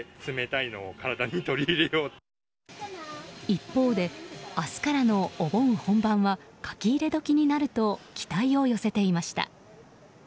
一方で明日からのお盆本番は書き入れ時になると期待を寄せていました。